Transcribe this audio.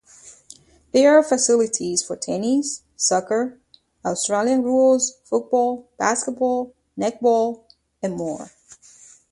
There are facilities for tennis, soccer, Australian rules football, basketball, netball and more.